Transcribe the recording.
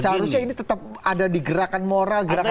seharusnya ini tetap ada di gerakan moral gerakan